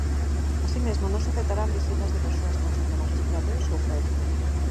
Así mesmo, non se aceptarán visitas de persoas con síntomas respiratorios ou febre.